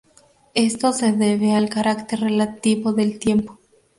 Esto se debe al carácter relativo del tiempo.